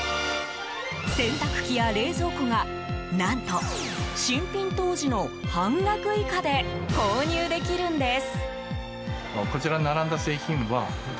洗濯機や冷蔵庫が何と新品当時の半額以下で購入できるんです。